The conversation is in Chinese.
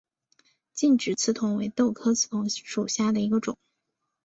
劲直刺桐为豆科刺桐属下的一个种。